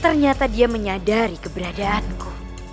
ternyata dia menyadari keberadaanku